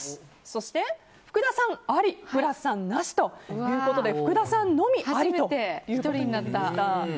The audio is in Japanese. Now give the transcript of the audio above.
そして福田さん、ありブラスさん、なしということで福田さんのみありということになりました。